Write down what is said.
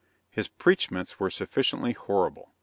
His preachments were sufficiently horrible.